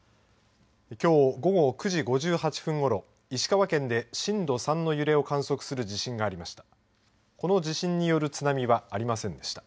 きょう午後９時５８分ごろ石川県で震度３の揺れを観測する地震がありました。